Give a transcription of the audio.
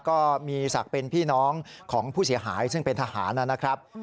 ก็มีศักดิ์เป็นพี่น้องของผู้เสียหายซึ่งเป็นทหารนะครับ